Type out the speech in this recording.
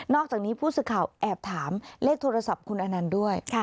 อกจากนี้ผู้สื่อข่าวแอบถามเลขโทรศัพท์คุณอนันต์ด้วย